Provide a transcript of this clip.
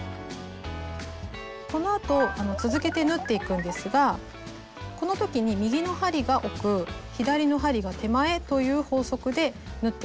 このあと続けて縫っていくんですがこの時に右の針が奥左の針が手前という法則で縫っていって下さい。